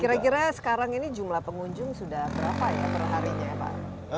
kira kira sekarang ini jumlah pengunjung sudah berapa ya perharinya ya pak